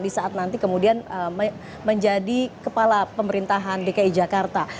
di saat nanti kemudian menjadi kepala pemerintahan dki jakarta